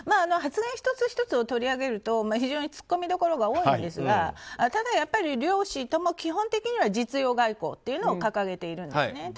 発言１つ１つを取り上げると非常に突っ込みどころは多いんですが、ただ、やっぱり両氏とも基本的には実用外交というのを掲げているんですね。